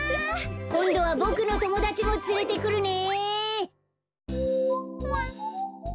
こんどはボクのともだちもつれてくるね。